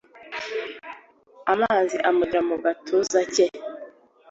amazi amugera mugatuza cye